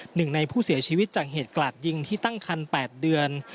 หนึ่งในผู้เสียชีวิตจากเหตุกลาดยิงที่ตั้งคัน๘เดือน